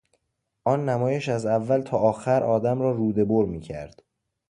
آن نمایش از اول تا آخر آدم را روده بر میکرد.